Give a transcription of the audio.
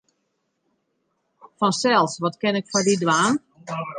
Fansels, wat kin ik foar dy dwaan?